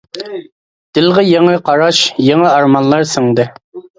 دىلىغا يېڭى قاراش، يېڭى ئارمانلار سىڭدى.